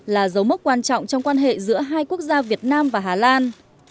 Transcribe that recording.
là dấu mốc quan trọng trong quan hệ giữa hai quốc gia việt nam và hà lan